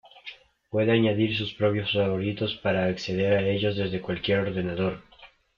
Puede añadir sus propios favoritos para acceder a ellos desde cualquier ordenador.